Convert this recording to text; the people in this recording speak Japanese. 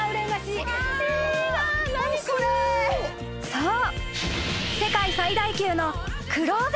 ［そう］